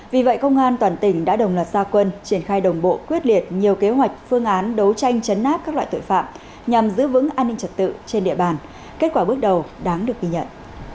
vì vậy công an toàn tỉnh đã đồng loạt gia quân triển khai đồng bộ quyết liệt nhiều kế hoạch phương án đấu tranh chấn áp các loại tội phạm nhằm giữ vững an ninh trật tự trên địa bàn kết quả bước đầu đáng được ghi nhận